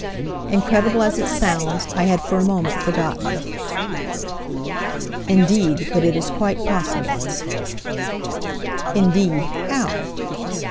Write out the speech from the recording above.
Incredible as it sounds, I had for a moment forgotten Indeed, but it is quite possible Indeed! How?